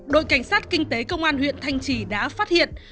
đội cảnh sát kinh tế công an huyện thanh trì đã phát hiện